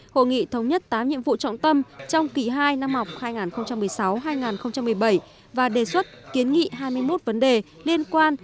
hội nghị thống nhất tám nhiệm vụ trọng tâm trong kỳ hai năm học hai nghìn một mươi sáu hai nghìn một mươi bảy và đề xuất kiến nghị hai mươi một vấn đề liên quan